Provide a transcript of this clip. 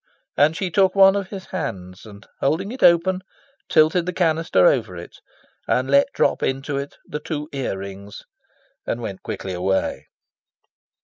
And she took one of his hands, and, holding it open, tilted the canister over it, and let drop into it the two ear rings, and went quickly away.